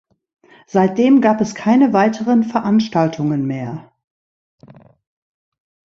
Seitdem gab es keine weiteren Veranstaltungen mehr.